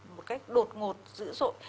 một cách đột ngột dữ dội